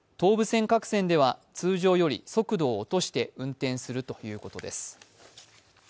東武線各線では通常より速度を落として運転するということです。